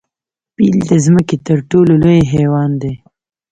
پیل د ځمکې تر ټولو لوی حیوان دی